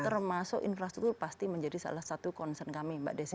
termasuk infrastruktur pasti menjadi salah satu concern kami mbak desi